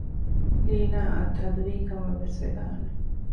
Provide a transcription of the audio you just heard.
ލީނާއަށް ތަދުވީ ކަމަށްވެސް ވެދާނެ